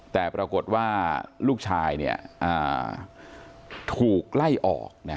แต่ปรากฏว่าลูกชายถูกไล่ออก